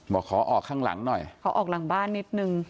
บอกขอออกข้างหลังหน่อยขอออกหลังบ้านนิดนึง